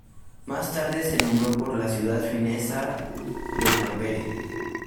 Más tarde, se nombró por la ciudad finesa de Tampere.